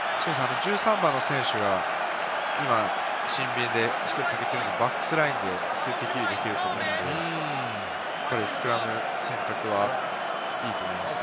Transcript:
１３番の選手が今、シンビンで１人欠けているので、バックスラインですぐできると思うんでスクラムの選択はいいと思います。